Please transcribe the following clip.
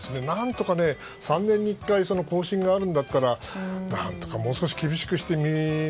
何とか３年に１回更新があるんだったら何とかもう少し厳しくして。